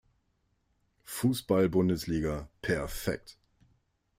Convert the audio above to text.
Fußball-Bundesliga perfekt.